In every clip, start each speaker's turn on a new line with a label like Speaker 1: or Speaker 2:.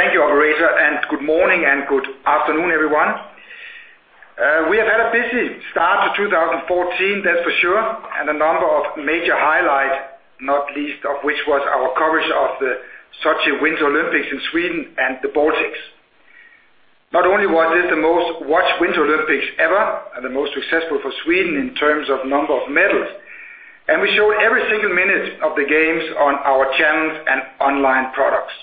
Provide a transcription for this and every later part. Speaker 1: Thank you, operator, and good morning and good afternoon, everyone. We have had a busy start to 2014, that's for sure, and a number of major highlights, not least of which was our coverage of the Sochi Winter Olympics in Sweden and the Baltics. Not only was this the most-watched Winter Olympics ever and the most successful for Sweden in terms of number of medals, we showed every single minute of the games on our channels and online products.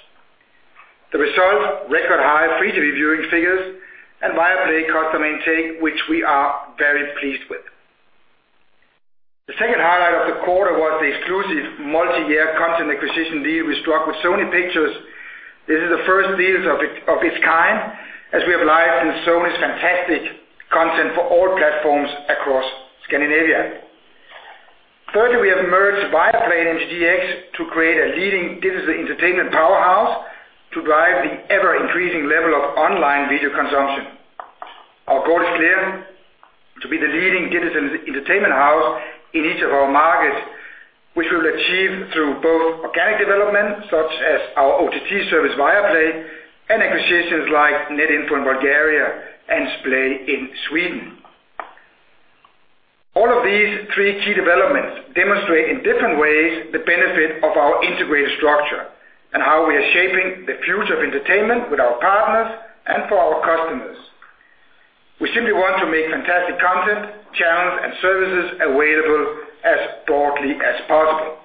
Speaker 1: The result, record high free TV viewing figures and Viaplay customer intake, which we are very pleased with. The second highlight of the quarter was the exclusive multi-year content acquisition deal we struck with Sony Pictures. This is the first deal of its kind, as we have licensed Sony's fantastic content for all platforms across Scandinavia. Further, we have merged Viaplay and MTGx to create a leading digital entertainment powerhouse to drive the ever-increasing level of online video consumption. Our goal is clear: to be the leading digital entertainment house in each of our markets, which we'll achieve through both organic development, such as our OTT service, Viaplay, and acquisitions like NetInfo in Bulgaria and Splay in Sweden. All of these three key developments demonstrate in different ways the benefit of our integrated structure and how we are shaping the future of entertainment with our partners and for our customers. We simply want to make fantastic content, channels, and services available as broadly as possible.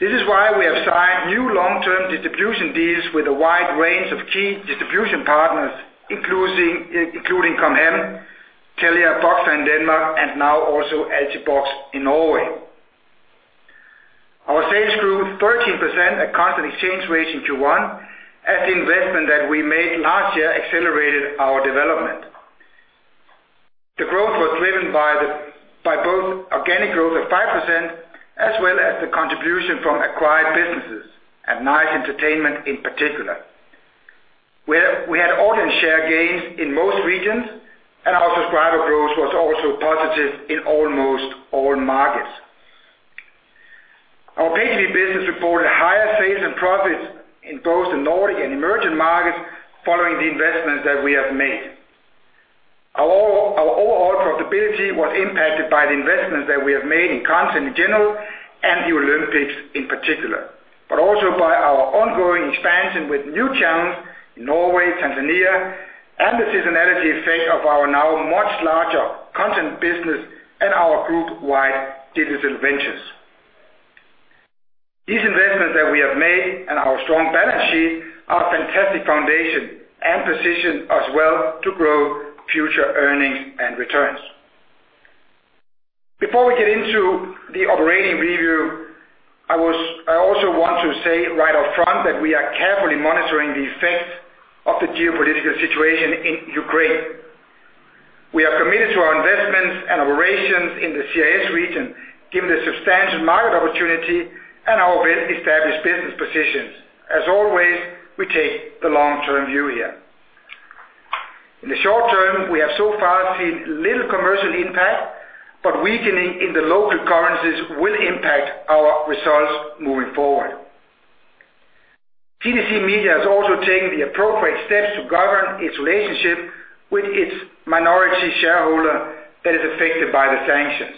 Speaker 1: This is why we have signed new long-term distribution deals with a wide range of key distribution partners, including Com Hem, Telia, Box in Denmark, and now also Altibox in Norway. Our sales grew 13% at constant exchange rating to one as the investment that we made last year accelerated our development. The growth was driven by both organic growth of 5%, as well as the contribution from acquired businesses and Nice Entertainment in particular, where we had audience share gains in most regions, and our subscriber growth was also positive in almost all markets. Our pay TV business reported higher sales and profits in both the Nordic and emerging markets, following the investments that we have made. Our overall profitability was impacted by the investments that we have made in content in general and the Olympics in particular, also by our ongoing expansion with new channels in Norway, Tanzania, and the seasonality effect of our now much larger content business and our group-wide digital ventures. These investments that we have made and our strong balance sheet are a fantastic foundation and position as well to grow future earnings and returns. Before we get into the operating review, I also want to say right up front that we are carefully monitoring the effects of the geopolitical situation in Ukraine. We are committed to our investments and operations in the CIS region, given the substantial market opportunity and our well-established business positions. As always, we take the long-term view here. In the short term, we have so far seen little commercial impact, weakening in the local currencies will impact our results moving forward. CTC Media has also taken the appropriate steps to govern its relationship with its minority shareholder that is affected by the sanctions.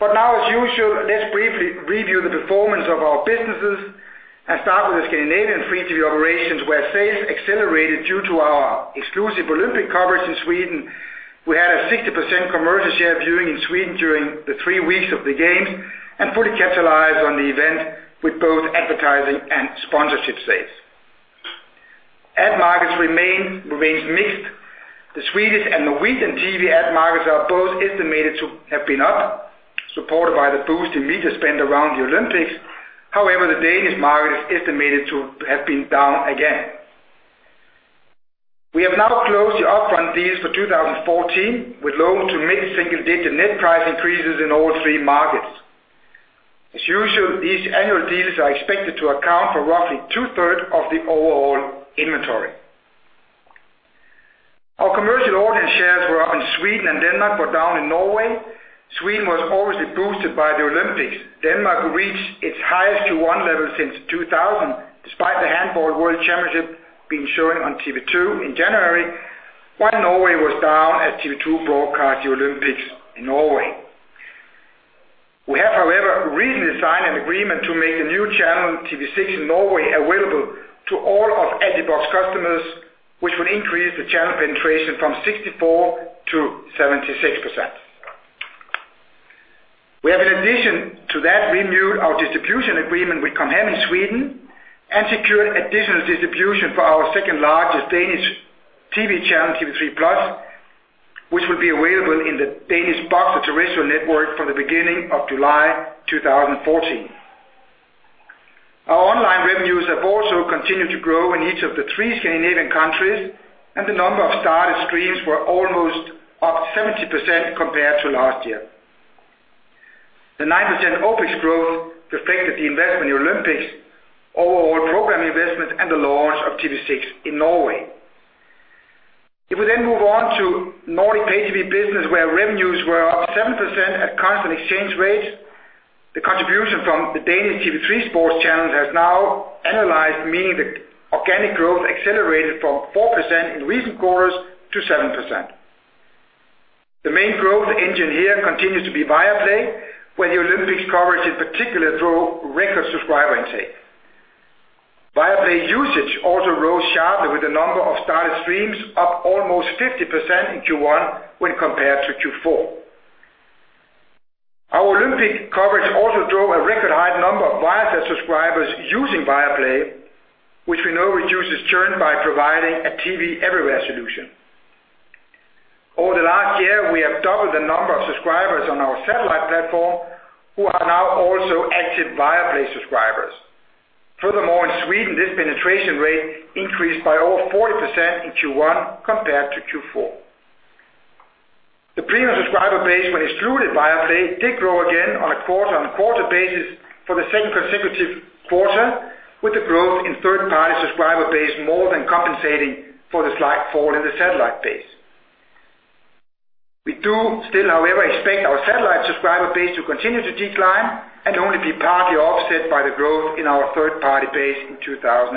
Speaker 1: Now as usual, let's briefly review the performance of our businesses and start with the Scandinavian free TV operations, where sales accelerated due to our exclusive Olympic coverage in Sweden. We had a 60% commercial share viewing in Sweden during the three weeks of the games and fully capitalized on the event with both advertising and sponsorship sales. Ad markets remains mixed. The Swedish and Norwegian TV ad markets are both estimated to have been up, supported by the boost in media spend around the Olympics. The Danish market is estimated to have been down again. We have now closed the upfront deals for 2014 with low to mid-single digit net price increases in all three markets. As usual, these annual deals are expected to account for roughly two-thirds of the overall inventory. Our commercial audience shares were up in Sweden and Denmark, but down in Norway. Sweden was obviously boosted by the Olympics. Denmark reached its highest Q1 level since 2000, despite the Handball World Championship being shown on TV 2 in January, while Norway was down as TV 2 broadcast the Olympics in Norway. We have, however, recently signed an agreement to make the new channel, TV6 Norway, available to all of Altibox customers, which will increase the channel penetration from 64% to 76%. We have, in addition to that, renewed our distribution agreement with Com Hem in Sweden and secured additional distribution for our second largest Danish TV channel, TV3+, which will be available in the Danish Boxer terrestrial network from the beginning of July 2014. Our online revenues have also continued to grow in each of the three Scandinavian countries, and the number of started streams were almost up 70% compared to last year. The 9% OpEx growth reflected the investment in the Olympics, overall program investments, and the launch of TV6 in Norway, where revenues were up 7% at constant exchange rates. The contribution from the Danish TV3 sports channels has now annualized, meaning the organic growth accelerated from 4% in recent quarters to 7%. The main growth engine here continues to be Viaplay, where the Olympics coverage in particular drove record subscriber intake. Viaplay usage also rose sharply with the number of started streams up almost 50% in Q1 when compared to Q4. Our Olympic coverage also drove a record high number of Viaplay subscribers using Viaplay, which we know reduces churn by providing a TV everywhere solution. Over the last year, we have doubled the number of subscribers on our satellite platform who are now also active Viaplay subscribers. Furthermore, in Sweden, this penetration rate increased by over 40% in Q1 compared to Q4. The premium subscriber base when excluding Viaplay, did grow again on a quarter-on-quarter basis for the second consecutive quarter, with the growth in third-party subscriber base more than compensating for the slight fall in the satellite base. We do still, however, expect our satellite subscriber base to continue to decline and only be partly offset by the growth in our third-party base in 2014.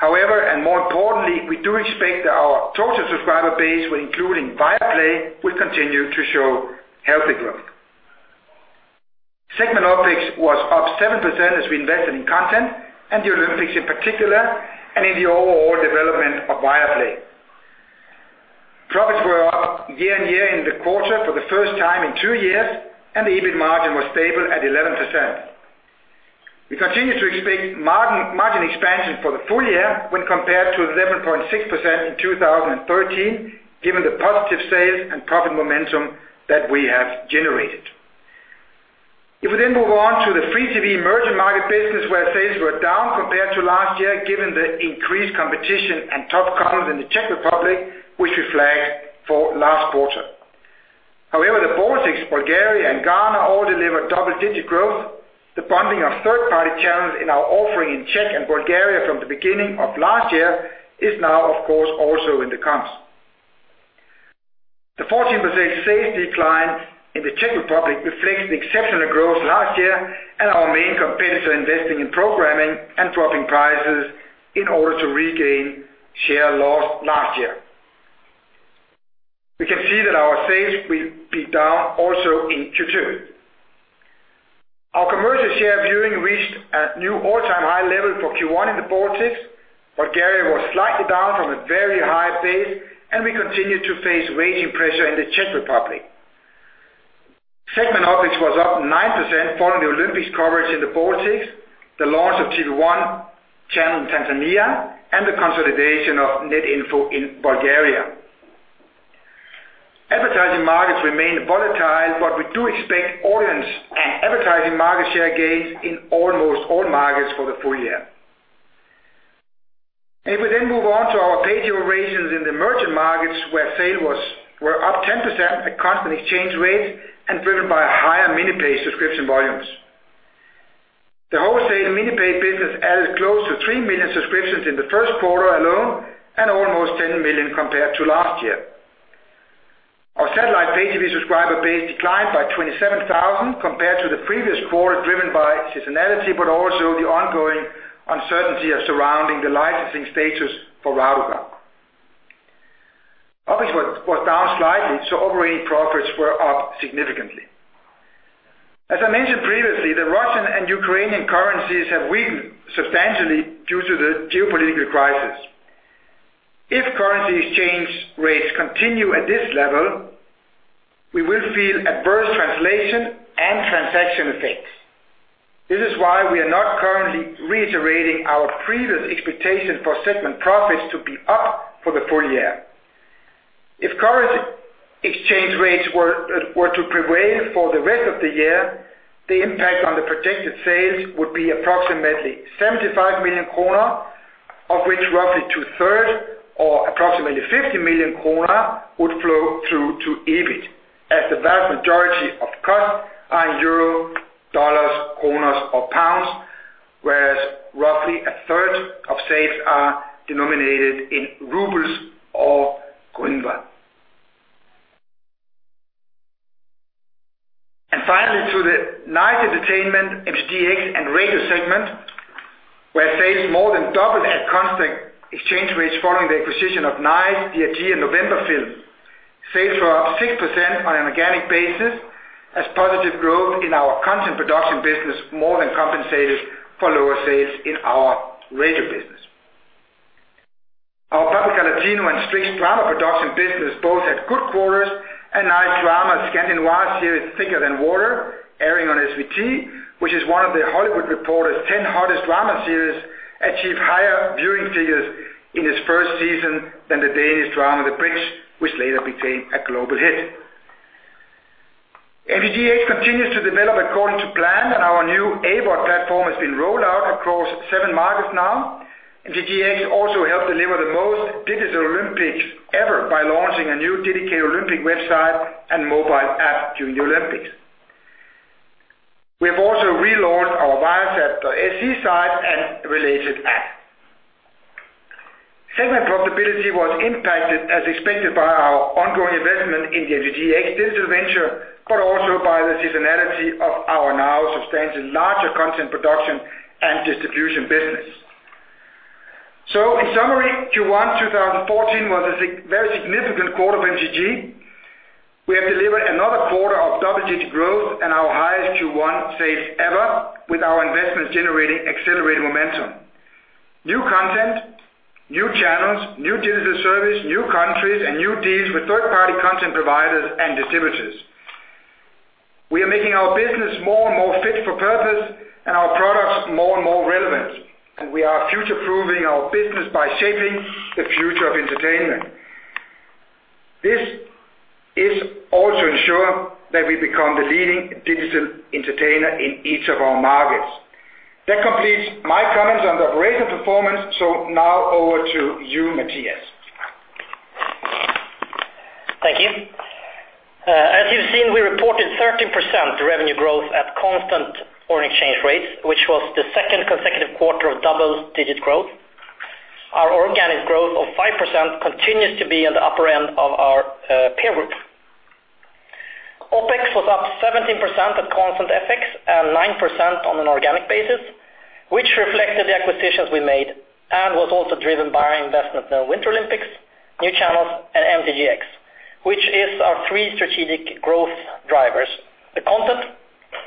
Speaker 1: However, more importantly, we do expect that our total subscriber base when including Viaplay, will continue to show healthy growth. Segment OpEx was up 7% as we invested in content and the Olympics in particular, and in the overall development of Viaplay. Profits were up year-on-year in the quarter for the first time in two years, and the EBIT margin was stable at 11%. We continue to expect margin expansion for the full year when compared to 11.6% in 2013, given the positive sales and profit momentum that we have generated. We move on to the free TV emerging market business, where sales were down compared to last year, given the increased competition and tough comparables in the Czech Republic, which we flagged for last quarter. However, the Baltics, Bulgaria, and Ghana all delivered double-digit growth. The bundling of third-party channels in our offering in Czech and Bulgaria from the beginning of last year is now, of course, also in the comps. The 14% sales decline in the Czech Republic reflects the exceptional growth last year and our main competitor investing in programming and dropping prices in order to regain share lost last year. We can see that our sales will be down also in Q2. Our commercial share viewing reached a new all-time high level for Q1 in the Baltics. Bulgaria was slightly down from a very high base, and we continued to face rating pressure in the Czech Republic. Segment OpEx was up 9% following the Olympics coverage in the Baltics, the launch of TV1 channel in Tanzania, and the consolidation of NetInfo in Bulgaria. Advertising markets remain volatile, but we do expect audience and advertising market share gains in almost all markets for the full year. We move on to our pay-TV operations in the emerging markets, where sales were up 10% at constant exchange rates and driven by higher MiniPay subscription volumes. The wholesale MiniPay business added close to 3 million subscriptions in the first quarter alone and almost 10 million compared to last year. Our satellite pay-TV subscriber base declined by 27,000 compared to the previous quarter, driven by seasonality, but also the ongoing uncertainty surrounding the licensing status for Rutube. OpEx was down slightly, operating profits were up significantly. As I mentioned previously, the Russian and Ukrainian currencies have weakened substantially due to the geopolitical crisis. If currency exchange rates continue at this level, we will feel adverse translation and transaction effects. This is why we are not currently reiterating our previous expectation for segment profits to be up for the full year. If currency exchange rates were to prevail for the rest of the year, the impact on the projected sales would be approximately 75 million kronor, of which roughly two-third or approximately 50 million kronor would flow through to EBIT, as the vast majority of costs are in euro, dollars, kronas, or pounds, whereas roughly a third of sales are denominated in rubles or hryvnia. Finally, to the Nice Entertainment, MTGx, and Radio segment, where sales more than doubled at constant exchange rates following the acquisition of Nice, DRG, and Novemberfilm. Sales were up 6% on an organic basis as positive growth in our content production business more than compensated for lower sales in our radio business. Our Paprika Latino and Strix Drama production business both had good quarters, and Nice Drama's Scandinavian series, Thicker Than Water, airing on SVT, which is one of The Hollywood Reporter's 10 hottest drama series, achieved higher viewing figures in its first season than the Danish drama The Bridge, which later became a global hit. MTGx continues to develop according to plan, and our new AVOD platform has been rolled out across seven markets now. MTGx also helped deliver the most digital Olympics ever by launching a new dedicated Olympic website and mobile app during the Olympics. We have also relaunched our website and related app. Segment profitability was impacted as expected by our ongoing investment in the MTGx digital venture, but also by the seasonality of our now substantially larger content production and distribution business. In summary, Q1 2014 was a very significant quarter for MTG. We have delivered another quarter of double-digit growth and our highest Q1 sales ever with our investments generating accelerated momentum. New content, new channels, new digital service, new countries, and new deals with third-party content providers and distributors. We are making our business more and more fit for purpose and our products more and relevant, and we are future-proofing our business by shaping the future of entertainment. This is also ensuring that we become the leading digital entertainer in each of our markets. That completes my comments on the operational performance. Now over to you, Mathias.
Speaker 2: Thank you. As you've seen, we reported 13% revenue growth at constant foreign exchange rates, which was the second consecutive quarter of double-digit growth. Our organic growth of 5% continues to be at the upper end of our peer group. OpEx was up 17% at constant FX and 9% on an organic basis, which reflected the acquisitions we made and was also driven by our investment in the Winter Olympics, new channels, and MTGx, which is our three strategic growth drivers, the content,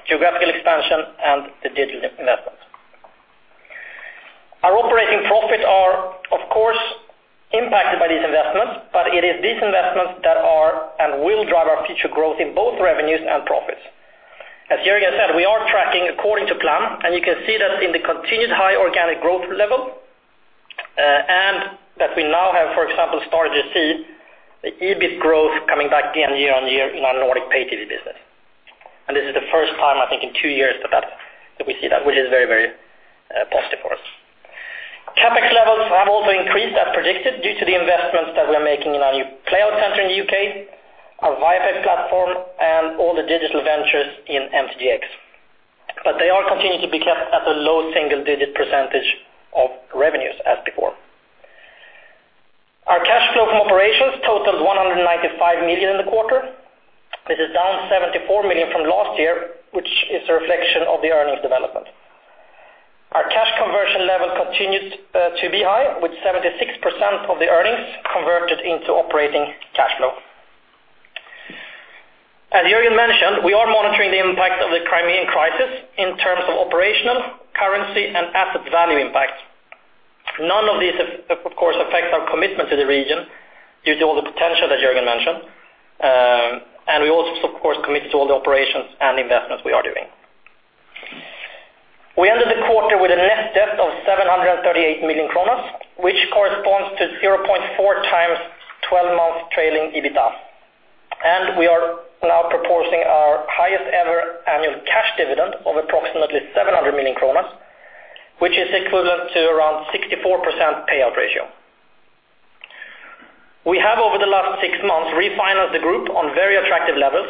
Speaker 2: geographical expansion, and the digital investment. Our operating profits are, of course, impacted by these investments, but it is these investments that are and will drive our future growth in both revenues and profits. As Jørgen said, we are tracking according to plan, and you can see that in the continued high organic growth level, and that we now have, for example, started to see the EBIT growth coming back again year-on-year in our Nordic Pay TV business. This is the first time, I think, in two years that we see that, which is very positive for us. CapEx levels have also increased as predicted due to the investments that we're making in our new playout center in the U.K., our Viaplay platform, and all the digital ventures in MTGx. They all continue to be kept at a low single-digit percentage of revenues as before. Our cash flow from operations totaled 195 million in the quarter. This is down 74 million from last year, which is a reflection of the earnings development. Our cash conversion level continues to be high, with 76% of the earnings converted into operating cash flow. As Jørgen mentioned, we are monitoring the impact of the Crimean crisis in terms of operational currency and asset value impact. None of these, of course, affect our commitment to the region due to all the potential that Jørgen mentioned. We also, of course, committed to all the operations and investments we are doing. We ended the quarter with a net debt of 738 million, which corresponds to 0.4 times 12 months trailing EBITDA. We are now proposing our highest ever annual cash dividend of approximately 700 million kronor, which is equivalent to around 64% payout ratio. We have over the last six months refinanced the group on very attractive levels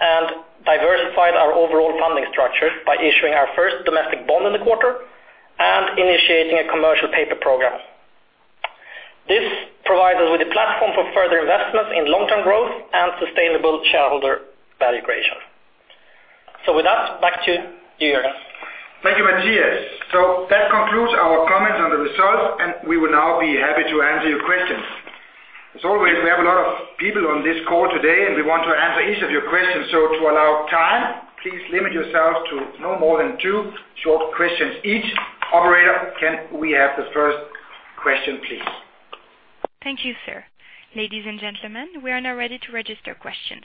Speaker 2: and diversified our overall funding structure by issuing our first domestic bond in the quarter and initiating a commercial paper program. This provides us with a platform for further investments in long-term growth and sustainable shareholder value creation. With that, back to you, Jørgen.
Speaker 1: Thank you, Mathias. That concludes our comments on the results, and we will now be happy to answer your questions. As always, we have a lot of people on this call today, and we want to answer each of your questions. To allow time, please limit yourselves to no more than two short questions each. Operator, can we have the first question, please?
Speaker 3: Thank you, sir. Ladies and gentlemen, we are now ready to register questions.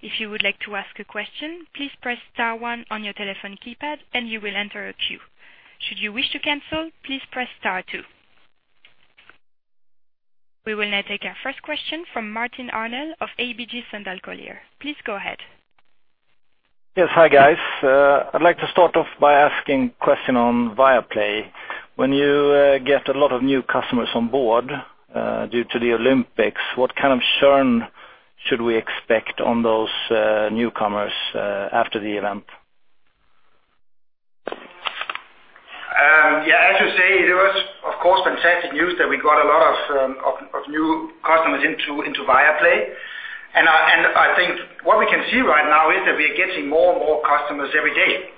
Speaker 3: If you would like to ask a question, please press star one on your telephone keypad and you will enter a queue. Should you wish to cancel, please press star two. We will now take our first question from Martin Arnell of ABG Sundal Collier. Please go ahead.
Speaker 4: Yes. Hi, guys. I'd like to start off by asking a question on Viaplay. When you get a lot of new customers on board due to the Olympics, what kind of churn should we expect on those newcomers after the event?
Speaker 1: Yeah, as you say, there was, of course, fantastic news that we got a lot of new customers into Viaplay. I think what we can see right now is that we are getting more and more customers every day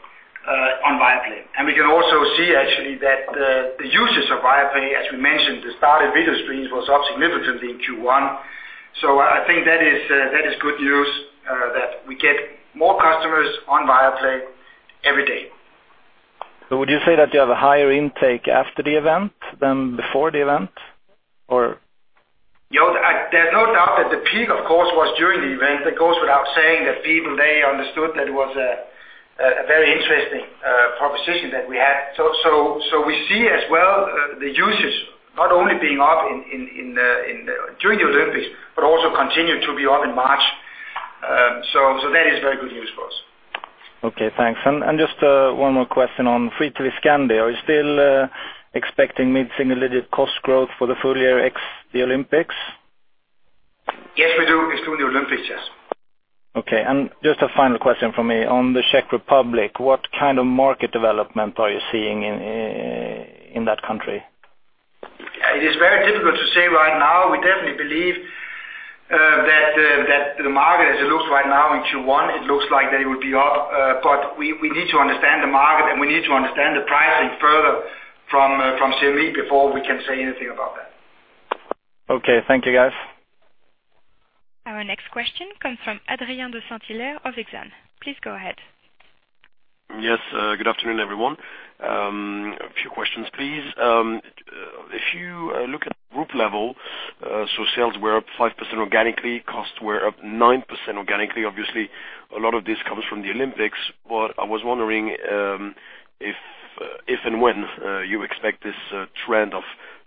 Speaker 1: on Viaplay. We can also see actually that the usage of Viaplay, as we mentioned, the started video streams was up significantly in Q1. I think that is good news that we get more customers on Viaplay every day.
Speaker 4: Would you say that you have a higher intake after the event than before the event, or?
Speaker 1: There's no doubt that the peak, of course, was during the event. That goes without saying that people, they understood that it was a very interesting proposition that we had. We see as well the usage not only being up during the Olympics but also continued to be up in March. That is very good news for us.
Speaker 4: Okay, thanks. Just one more question on Free-TV Scandinavia. Are you still expecting mid-single digit cost growth for the full year ex the Olympics?
Speaker 1: Yes, we do. It is during the Olympics, yes.
Speaker 4: Okay. Just a final question from me. On the Czech Republic, what kind of market development are you seeing in that country?
Speaker 1: It is very difficult to say right now. We definitely believe that the market, as it looks right now in Q1, it looks like they will be up. We need to understand the market, and we need to understand the pricing further from CME before we can say anything about that.
Speaker 4: Okay. Thank you, guys.
Speaker 3: Our next question comes from Adrien de Saint Hilaire of Exane. Please go ahead.
Speaker 5: Yes. Good afternoon, everyone. A few questions, please. If you look at group level, sales were up 5% organically, costs were up 9% organically. Obviously, a lot of this comes from the Olympics. What I was wondering, if and when you expect this trend of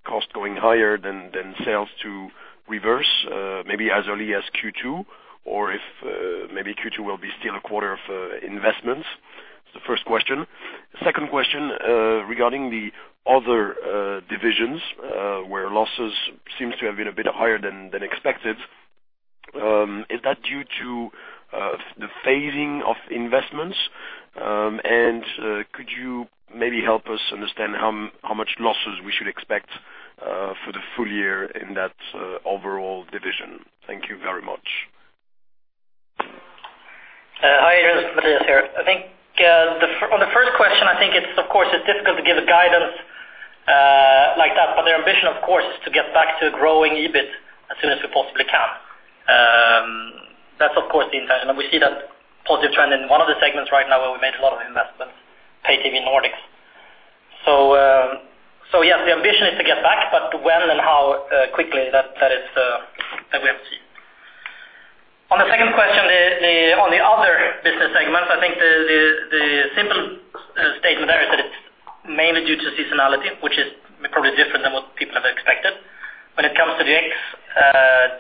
Speaker 5: cost going higher than sales to reverse, maybe as early as Q2, or if maybe Q2 will be still a quarter of investments? It's the first question. Second question, regarding the other divisions, where losses seems to have been a bit higher than expected. Is that due to the phasing of investments? Could you maybe help us understand how much losses we should expect for the full year in that overall division? Thank you very much.
Speaker 2: Hi, Adrien. Mathias here. On the first question, I think it's difficult to give guidance like that, but our ambition, of course, is to get back to growing EBIT as soon as we possibly can. That's of course the intention, and we see that positive trend in one of the segments right now where we made a lot of investments, Pay TV Nordics. Yes, the ambition is to get back, but when and how quickly, that we have to see. On the second question, on the other business segments, I think the simple statement there is that it's mainly due to seasonality, which is probably different than what people have expected. When it comes to the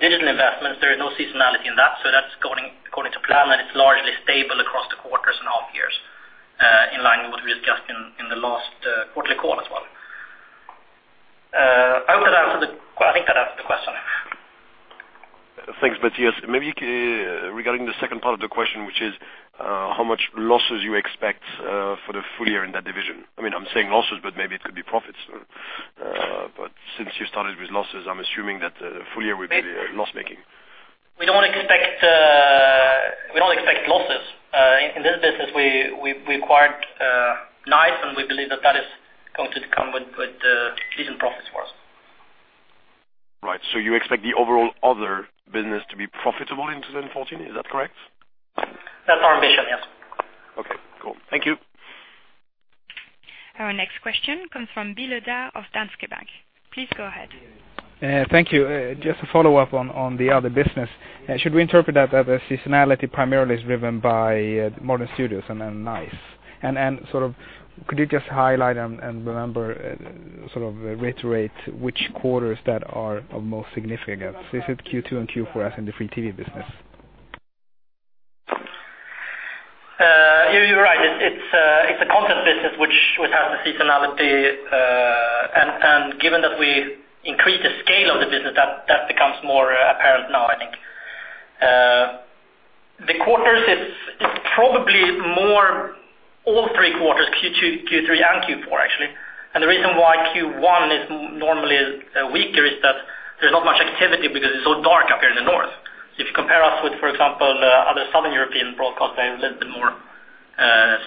Speaker 2: digital investments, there is no seasonality in that, so that's going according to plan, and it's largely stable across the quarters and half years, in line with what we discussed in the last quarterly call as well. I think that answered the question.
Speaker 5: Thanks, Mathias. Regarding the second part of the question, which is how much losses you expect for the full year in that division. I'm saying losses, but maybe it could be profits. Since you started with losses, I'm assuming that the full year will be loss-making.
Speaker 2: We don't expect losses. In this business, we acquired Nice, and we believe that that is going to come with decent profits for us.
Speaker 5: Right. You expect the overall other business to be profitable in 2014, is that correct?
Speaker 2: That's our ambition, yes.
Speaker 5: Okay, cool. Thank you.
Speaker 3: Our next question comes from Bile Daar of Danske Bank. Please go ahead.
Speaker 6: Thank you. Just a follow-up on the other business. Should we interpret that the seasonality primarily is driven by MTG Studios and then Nice? Could you just highlight and remember, reiterate which quarters that are of most significance? Is it Q2 and Q4 as in the free TV business?
Speaker 2: You're right. It's a content business which has the seasonality. Given that we increase the scale of the business, that becomes more apparent now, I think. The quarters, it's probably more all three quarters, Q2, Q3, and Q4, actually. The reason why Q1 is normally weaker is that there's not much activity because it's so dark up here in the north. If you compare us with, for example, other Southern European broadcasters, a little bit more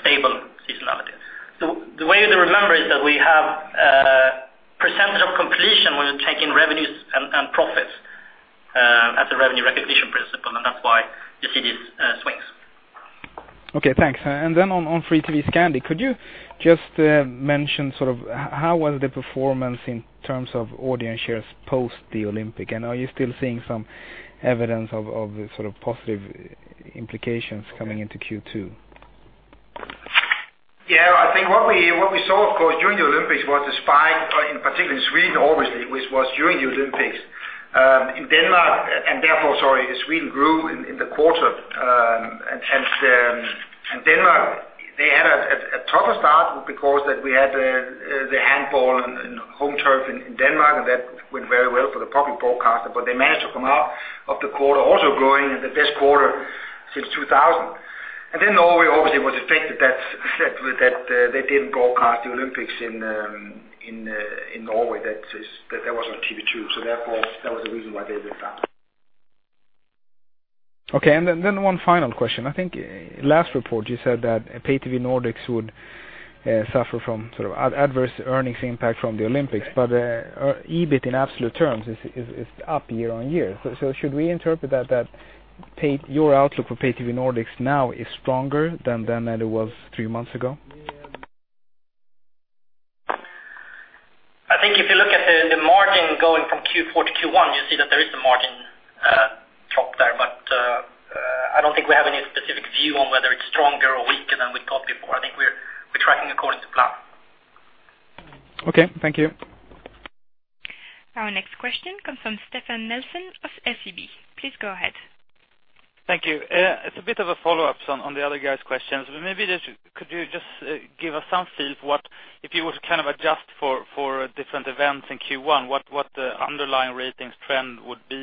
Speaker 2: stable seasonality. The way to remember is that we have a percentage of completion when we take in revenues and profits as a revenue recognition principle, and that's why you see these swings.
Speaker 6: Okay, thanks. On Free-TV Scandinavia, could you just mention how was the performance in terms of audience shares post the Olympics? Are you still seeing some evidence of positive implications coming into Q2?
Speaker 1: Yeah. I think what we saw, of course, during the Olympics was a spike, in particular in Sweden, obviously, which was during the Olympics. Therefore, Sweden grew in the quarter. Denmark, they had a tougher start because we had the handball in home turf in Denmark, and that went very well for the public broadcaster. They managed to come out of the quarter also growing, and the best quarter since 2000. Norway, obviously, was affected that they didn't broadcast the Olympics in Norway. That was on TV 2. Therefore, that was the reason why they did that.
Speaker 6: Okay. One final question. I think last report you said that Pay TV Nordics would suffer from adverse earnings impact from the Olympics, but the EBIT in absolute terms is up year-over-year. Should we interpret that your outlook for Pay TV Nordics now is stronger than it was three months ago?
Speaker 2: I think if you look at the margin going from Q4 to Q1, you see that there is a margin drop there. I don't think we have any specific view on whether it's stronger or weaker than we thought before. I think we're tracking according to plan.
Speaker 6: Okay. Thank you.
Speaker 3: Our next question comes from Stefan Nelson of SEB. Please go ahead.
Speaker 7: Thank you. It's a bit of a follow-up on the other guy's questions. Maybe just could you just give us some feel for what, if you were to adjust for different events in Q1, what the underlying ratings trend would be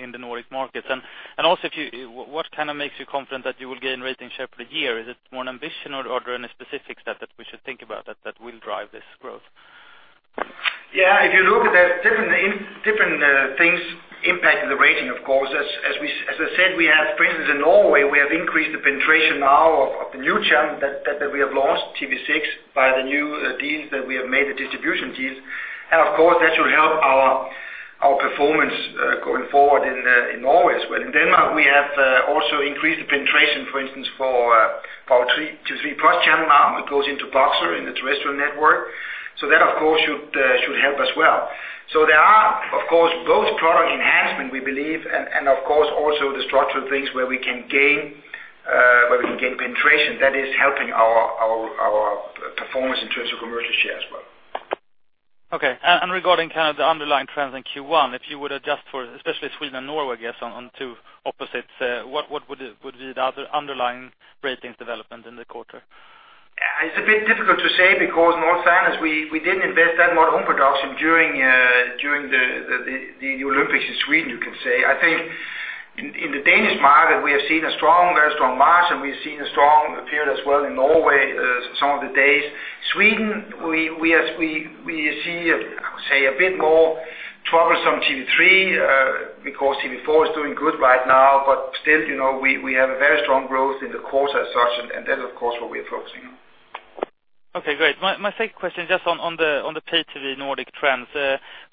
Speaker 7: in the Nordic markets? What makes you confident that you will gain rating share for the year? Is it more ambition or are there any specific steps that we should think about that will drive this growth?
Speaker 1: If you look at that, different things impact the rating, of course. As I said, we have, for instance, in Norway, we have increased the penetration now of the new channel that we have launched, TV6, by the new deals that we have made, the distribution deals. Of course, that should help our performance going forward in Norway as well. In Denmark, we have also increased the penetration, for instance, for our TV3+, channel now, that goes into Boxer in the terrestrial network. That, of course, should help as well. There are, of course, both product enhancement, we believe and, of course, also the structural things where we can gain penetration that is helping our performance in terms of commercial share as well.
Speaker 7: Okay. Regarding the underlying trends in Q1, if you were to adjust for especially Sweden and Norway, I guess, on two opposites, what would be the other underlying ratings development in the quarter?
Speaker 1: It's a bit difficult to say because, in all fairness, we didn't invest that much own production during the Olympics in Sweden you can say. I think in the Danish market, we have seen a very strong March, and we've seen a strong period as well in Norway some of the days. Sweden, we see, I would say a bit more troublesome TV3 because TV4 is doing good right now. Still, we have a very strong growth in the quarter as such, and that is, of course, what we are focusing on.
Speaker 7: Okay, great. My second question is just on the pay TV Nordic trends.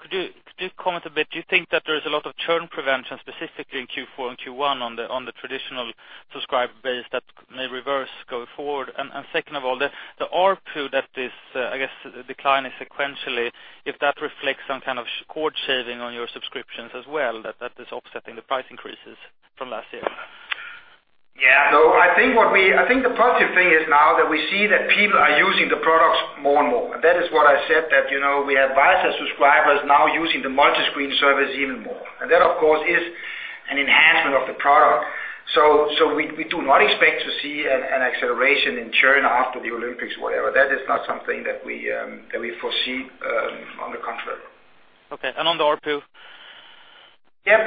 Speaker 7: Could you comment a bit? Do you think that there is a lot of churn prevention, specifically in Q4 and Q1, on the traditional subscriber base that may reverse going forward? Second of all, the ARPU that is, I guess, declining sequentially, if that reflects some kind of cord shaving on your subscriptions as well, that is offsetting the price increases from last year.
Speaker 1: Yeah. No, I think the positive thing is now that we see that people are using the products more and more. That is what I said, that we have Viasat subscribers now using the multi-screen service even more. That, of course, is an enhancement of the product. We do not expect to see an acceleration in churn after the Olympics, whatever. That is not something that we foresee, on the contrary.
Speaker 7: Okay. On the ARPU?
Speaker 1: Yeah.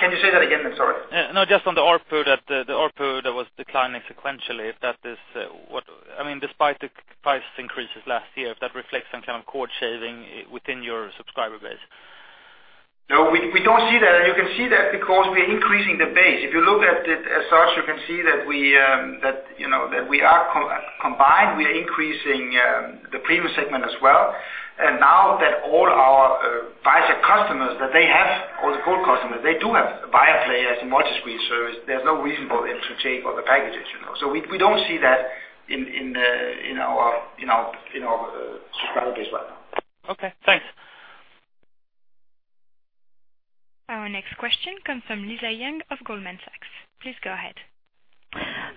Speaker 1: Can you say that again? I'm sorry.
Speaker 7: No, just on the ARPU that was declining sequentially. Despite the price increases last year, if that reflects some kind of cord shaving within your subscriber base?
Speaker 1: No, we don't see that. You can see that because we're increasing the base. If you look at it as such, you can see that combined, we are increasing the premium segment as well. Now that all our Viasat customers, all the core customers, they do have Viaplay as a multi-screen service. There's no reason for them to change all the packages. We don't see that in our subscriber base right now.
Speaker 7: Okay, thanks.
Speaker 3: Our next question comes from Lisa Yang of Goldman Sachs. Please go ahead.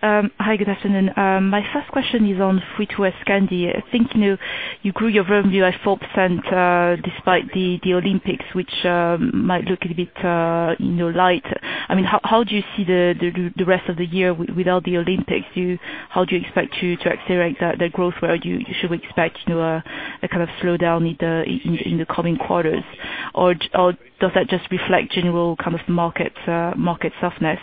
Speaker 8: Hi, good afternoon. My first question is on Free-TV Scandinavia. I think you grew your revenue by 4% despite the Olympics, which might look a bit light. How do you see the rest of the year without the Olympics? How do you expect to accelerate the growth? Or should we expect a kind of slowdown in the coming quarters? Or does that just reflect general kind of market softness?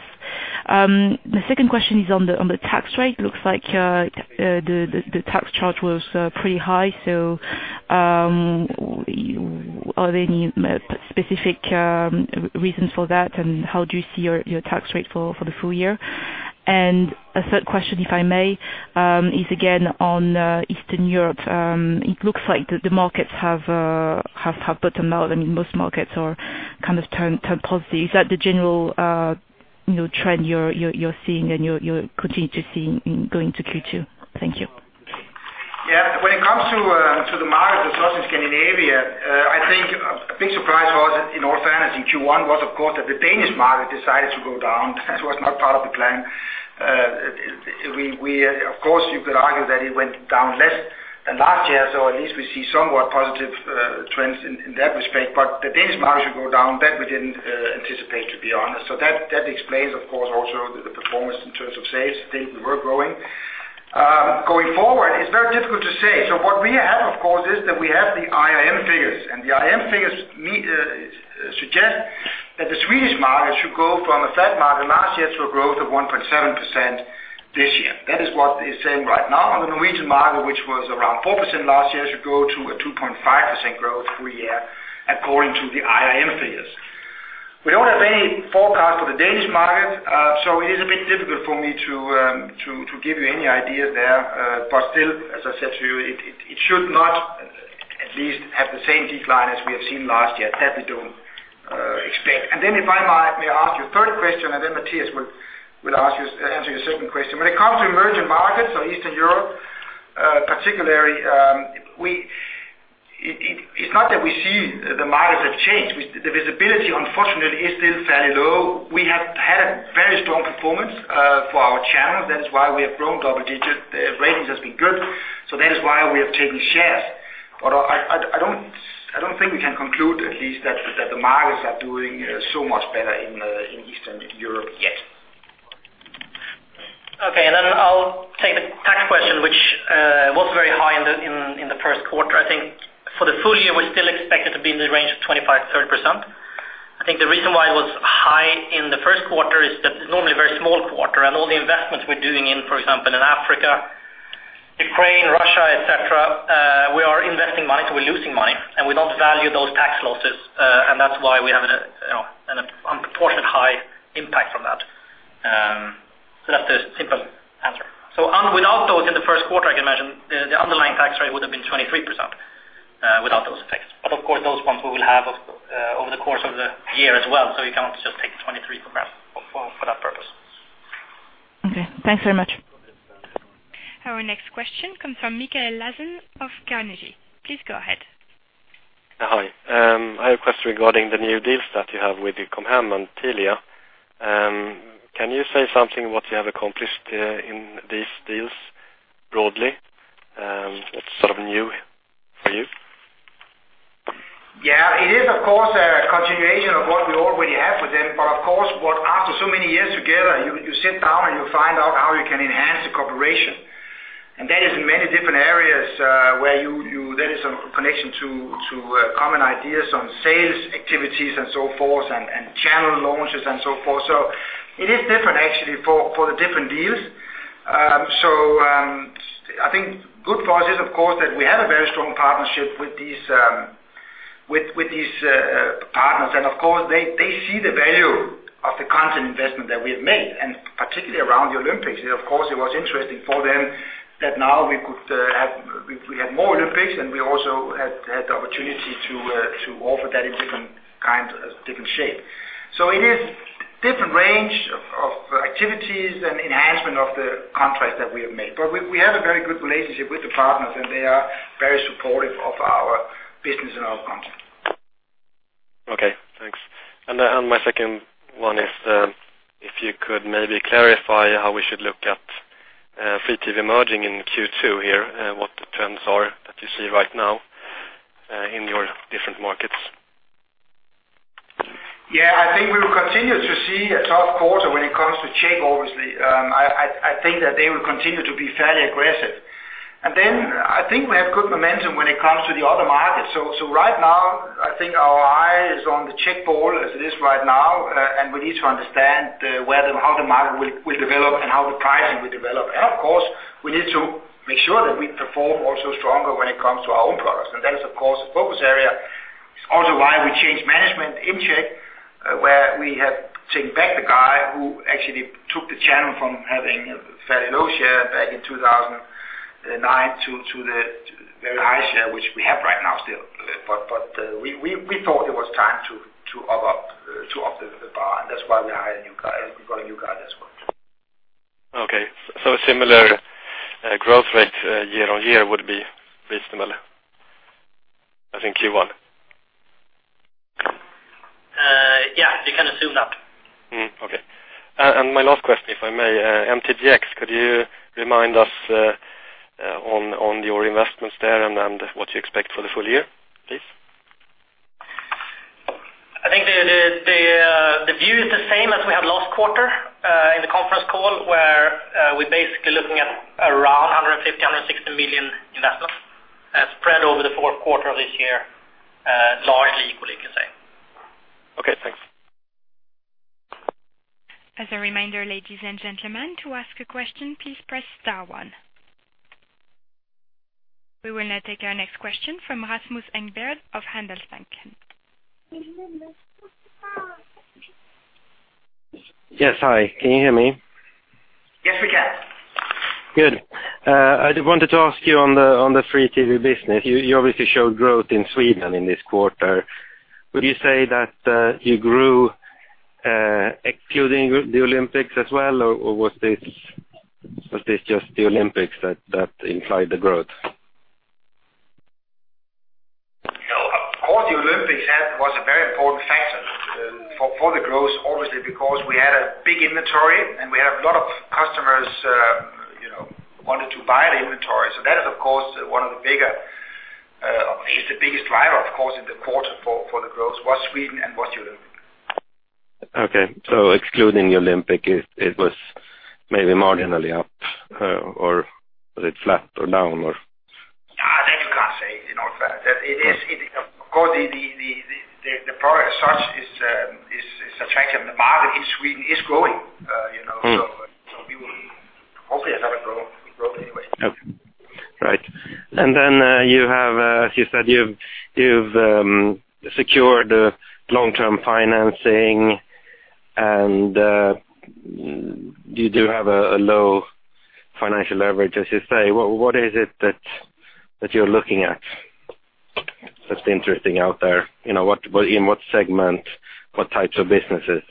Speaker 8: My second question is on the tax rate. Looks like the tax charge was pretty high. Are there any specific reasons for that, and how do you see your tax rate for the full year? A third question, if I may, is again on Eastern Europe. It looks like the markets have bottomed out. Most markets are kind of turned positive. Is that the general trend you're seeing and you continue to see going into Q2? Thank you.
Speaker 1: Yeah. When it comes to the market as such in Scandinavia, I think a big surprise for us, in all fairness, in Q1 was, of course, that the Danish market decided to go down. That was not part of the plan. Of course, you could argue that it went down less than last year, so at least we see somewhat positive trends in that respect. The Danish market to go down, that we didn't anticipate, to be honest. That explains, of course, also the performance in terms of sales. I think we were growing. Going forward, it's very difficult to say. What we have, of course, is that we have the IRM figures, and the IRM figures suggest that the Swedish market should go from a flat market last year to a growth of 1.7% this year. That is what they're saying right now. On the Norwegian market, which was around 4% last year, should grow to a 2.5% growth per year according to the IRM figures. We don't have any forecast for the Danish market, it is a bit difficult for me to give you any idea there. Still, as I said to you, it should not at least have the same decline as we have seen last year. That we don't expect. If I may ask you a third question, Mathias will answer your second question. When it comes to emerging markets or Eastern Europe, particularly, it's not that we see the markets have changed. The visibility, unfortunately, is still fairly low. We have had very strong performance for our channels. That is why we have grown double digits. Ratings has been good. That is why we have taken shares. I don't think we can conclude at least that the markets are doing so much better in Eastern Europe yet.
Speaker 2: Okay. I'll take the tax question, which was very high in the first quarter. I think for the full year, we still expect it to be in the range of 25%-30%. I think the reason why it was high in the first quarter is that it's normally a very small quarter and all the investments we're doing in, for example, in Africa, Ukraine, Russia, et cetera, we are investing money, so we're losing money, and we don't value those tax losses. And that's why we have an proportionate high impact from that. That's the simple answer. Without those in the first quarter, I can imagine the underlying tax rate would have been 23% without those effects. But of course, those ones we will have over the course of the year as well. You cannot just take the 23% from that for that purpose.
Speaker 8: Okay, thanks very much.
Speaker 3: Our next question comes from Mikael Laséen of Carnegie. Please go ahead.
Speaker 9: Hi. I have a question regarding the new deals that you have with Com Hem and Telia. Can you say something what you have accomplished in these deals broadly? It's sort of new for you.
Speaker 1: Yeah. It is of course, a continuation of what we already have with them. Of course, after so many years together, you sit down and you find out how you can enhance the cooperation. That is in many different areas, where there is a connection to common ideas on sales activities and so forth and channel launches and so forth. It is different actually for the different deals. I think good for us is, of course, that we have a very strong partnership with these partners. Of course, they see the value of the content investment that we have made, and particularly around the Olympics. Of course, it was interesting for them that now we had more Olympics, and we also had the opportunity to offer that in different shape. It is different range of activities and enhancement of the contracts that we have made. We have a very good relationship with the partners, and they are very supportive of our business and our content.
Speaker 9: Okay, thanks. My second one is, if you could maybe clarify how we should look at Free-TV emerging in Q2 here. What the trends are that you see right now in your different markets?
Speaker 1: Yeah, I think we will continue to see a tough quarter when it comes to Czech, obviously. I think that they will continue to be fairly aggressive. I think we have good momentum when it comes to the other markets. Right now, I think our eye is on the Czech ball as it is right now. We need to understand how the market will develop and how the pricing will develop. Of course, we need to make sure that we perform also stronger when it comes to our own products. That is of course the focus area. It is also why we changed management in Czech, where we have taken back the guy who actually took the channel from having a fairly low share back in 2009 to the very high share which we have right now still. We thought it was time to up the bar, and that's why we got a new guy as well.
Speaker 9: Okay. A similar growth rate year-over-year would be reasonable, as in Q1.
Speaker 2: Yeah, you can assume that.
Speaker 9: Okay. My last question, if I may, MTGx, could you remind us on your investments there and what you expect for the full year, please?
Speaker 2: I think the view is the same as we had last quarter in the conference call, where we're basically looking at around 150 million, 160 million investments spread over the fourth quarter of this year, largely equally you can say.
Speaker 9: Okay, thanks.
Speaker 3: As a reminder, ladies and gentlemen, to ask a question, please press star one. We will now take our next question from Rasmus Engberg of Handelsbanken.
Speaker 10: Yes. Hi, can you hear me?
Speaker 1: Yes, we can.
Speaker 10: Good. I wanted to ask you on the free TV business. You obviously showed growth in Sweden in this quarter. Would you say that you grew excluding the Olympics as well, or was this just the Olympics that implied the growth?
Speaker 1: Of course, the Olympics was a very important factor for the growth, obviously, because we had a big inventory and we had a lot of customers wanting to buy the inventory. That is, of course, one of the biggest driver, of course, in the quarter for the growth, was Sweden and was the Olympics.
Speaker 10: Okay. Excluding the Olympics, it was maybe marginally up or was it flat or down or?
Speaker 1: That you can't say. Of course, the product as such is attractive. The market in Sweden is growing. We will hopefully have a growth anyway.
Speaker 10: Right. As you said, you've secured long-term financing, you do have a low financial leverage, as you say. What is it that you're looking at that's interesting out there? In what segment, what types of businesses?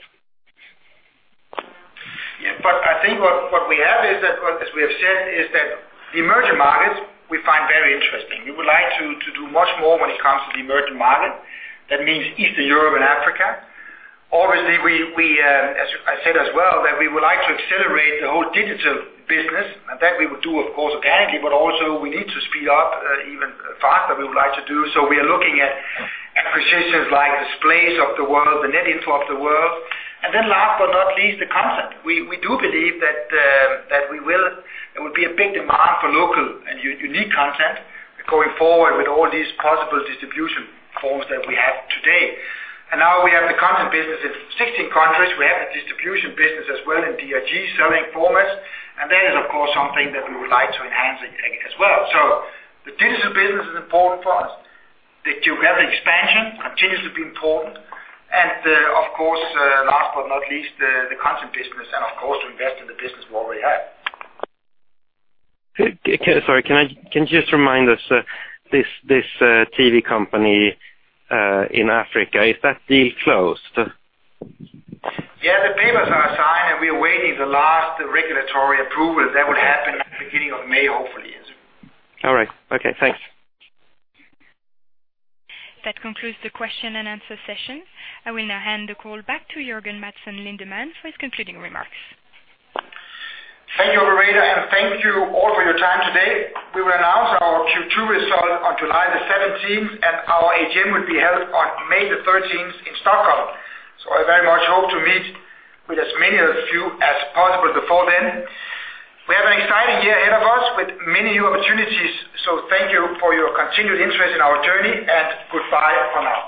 Speaker 1: Yeah. I think what we have is that, as we have said, is that the emerging markets we find very interesting. We would like to do much more when it comes to the emerging market. That means Eastern Europe and Africa. Obviously, as I said as well, that we would like to accelerate the whole digital business. That we would do, of course, organically, but also we need to speed up even faster, we would like to do. We are looking at acquisitions like the Splay of the world, the NetInfo of the world. Then last but not least, the content. We do believe that there will be a big demand for local and unique content going forward with all these possible distribution forms that we have today. Now we have the content business in 16 countries. We have the distribution business as well in DRG serving formats, that is, of course, something that we would like to enhance as well. The digital business is important for us. The geographic expansion continues to be important. Of course, last but not least, the content business and of course to invest in the business we already have.
Speaker 10: Sorry, can you just remind us, this TV company in Africa, is that deal closed?
Speaker 1: Yeah, the papers are signed. We are waiting the last regulatory approval that will happen at the beginning of May, hopefully.
Speaker 10: All right. Okay. Thanks.
Speaker 3: That concludes the question and answer session. I will now hand the call back to Jørgen Madsen Lindemann for his concluding remarks.
Speaker 1: Thank you, Loretta, and thank you all for your time today. We will announce our Q2 result on July the 17th, and our AGM will be held on May the 13th in Stockholm. I very much hope to meet with as many of you as possible before then. We have an exciting year ahead of us with many new opportunities, so thank you for your continued interest in our journey, and goodbye for now.